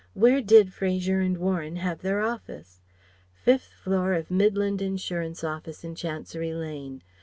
Where did Fraser and Warren have their office? Fifth floor of Midland Insurance office in Chancery Lane.